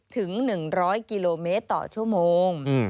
ถึง๑๐๐กิโลเมตรต่อชั่วโมง